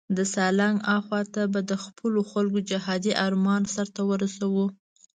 د سالنګ اخواته به د خپلو خلکو جهادي آرمان سرته ورسوو.